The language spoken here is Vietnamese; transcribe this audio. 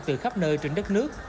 từ khắp nơi trên đất nước